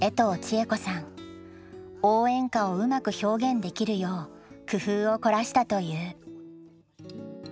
応援歌をうまく表現できるよう工夫を凝らしたという。